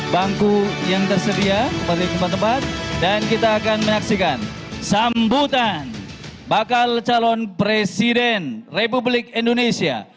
bakal kabuki cakar calon presiden republik indonesia